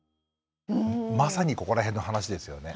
まさにここら辺の話ですよね。